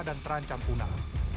dan terancam punah